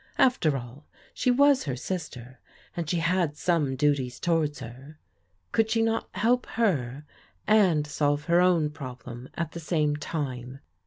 After all, she was her sis ter, and she had some duties towards her. Could she not help her and solve her own problem at the same time?